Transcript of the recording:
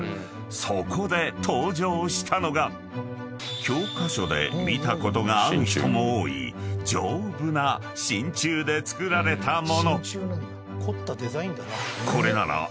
［そこで登場したのが教科書で見たことがある人も多い丈夫な真鍮で作られた物］